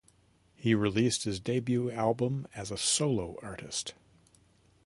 He released his debut album as a solo artist.